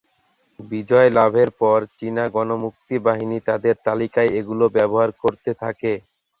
বিজয় লাভের পর চীনা গণমুক্তিবাহিনী তাদের তালিকায় এগুলো ব্যবহার করতে থাকে।